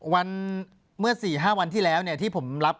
เมื่อ๔๕วันที่แล้วที่ผมรับ